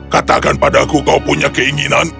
katakan padaku kau punya keinginan